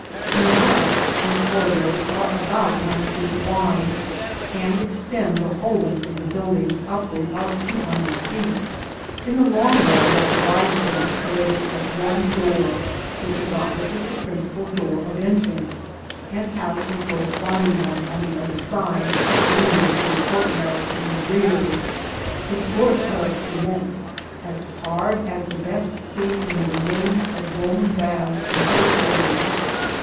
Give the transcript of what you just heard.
In front these corridors are about nine feet wide, and extend the whole length of the building upward of two hundred feet. In the long wall that divides them there is but one door, which is opposite the principal door of en trance, and has a corresponding one on the other side, leading to a courtyard in the rear. The floors are of cement, as hard as the best seen in the remains of Roman baths and cisterns.